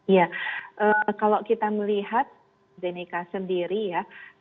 iya kalau kita melihat astrazeneca sendiri ya